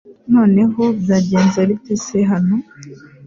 Noneho byagenze bite se hano?